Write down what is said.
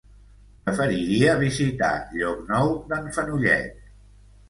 Preferiria visitar Llocnou d'en Fenollet.